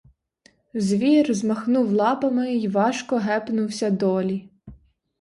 Звір змахнув лапами й важко гепнувся долі.